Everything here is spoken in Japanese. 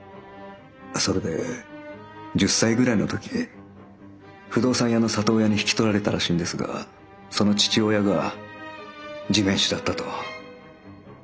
それで１０歳ぐらいの時不動産屋の里親に引き取られたらしいんですがその父親が地面師だったと。